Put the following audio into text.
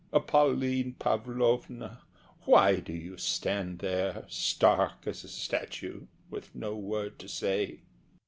Pauline Pavlovna, why do you stand there Stark as a statue, with no word to say?